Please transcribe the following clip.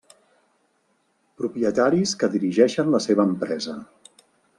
Propietaris que dirigeixen la seva empresa.